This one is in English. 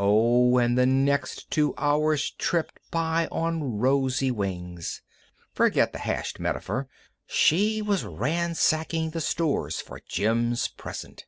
Oh, and the next two hours tripped by on rosy wings. Forget the hashed metaphor. She was ransacking the stores for Jim's present.